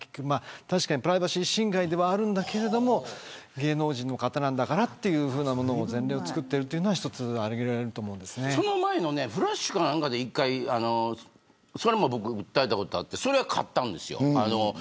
確かにプライバシー侵害ではあるんだけれども芸能人の方だからというふうなものも前例を作っているのはその前のＦＬＡＳＨか何かで１回訴えたことあってそれは勝ったんですよ。